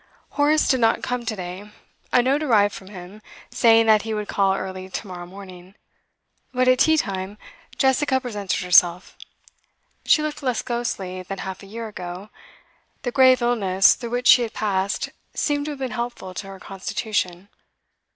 Horace did not come to day; a note arrived from him, saying that he would call early to morrow morning. But at tea time Jessica presented herself. She looked less ghostly than half a year ago; the grave illness through which she had passed seemed to have been helpful to her constitution.